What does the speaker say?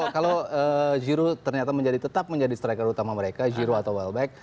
kalau giroud ternyata tetap menjadi striker utama mereka giroud atau baalbek